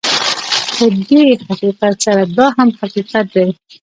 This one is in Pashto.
خو دې حقیقت سره دا هم حقیقت دی